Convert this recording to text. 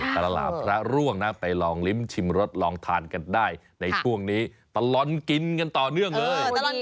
ตลาดพระร่วงนะไปลองลิ้มชิมรสลองทานกันได้ในช่วงนี้ตลอดกินกันต่อเนื่องเลย